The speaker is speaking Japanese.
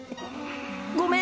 ごめん！